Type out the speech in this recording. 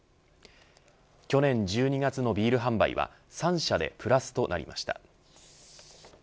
去年１２月のビール販売は３社でプラスとなりました。